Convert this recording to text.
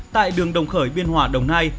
tại đường đồng khởi biên hòa đồng nai